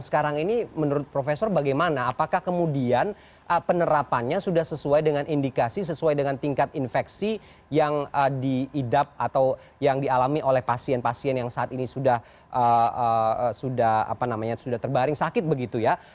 sekarang ini menurut profesor bagaimana apakah kemudian penerapannya sudah sesuai dengan indikasi sesuai dengan tingkat infeksi yang diidap atau yang dialami oleh pasien pasien yang saat ini sudah terbaring sakit begitu ya